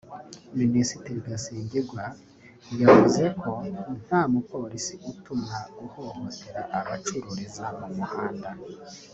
Minisitiri Gasinzingwa yavuze ko nta mupolisi utumwa guhohotera abacururiza mu muhanda